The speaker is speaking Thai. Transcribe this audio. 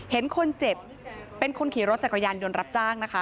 เห็นคนเจ็บเป็นคนขี่รถจักรยานยนต์รับจ้างนะคะ